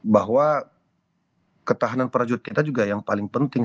bahwa ketahanan prajurit kita juga yang paling penting